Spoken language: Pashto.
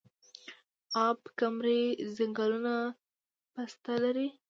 اب کمري ځنګلونه پسته لري؟